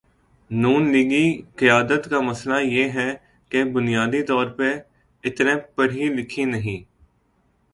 نون لیگی قیادت کا مسئلہ یہ ہے کہ بنیادی طور پہ اتنے پڑھی لکھی نہیں۔